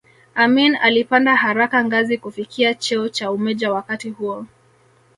Amin alipanda haraka ngazi kufikia cheo cha umeja wakati huo